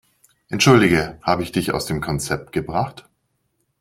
Entschuldige, habe ich dich aus dem Konzept gebracht?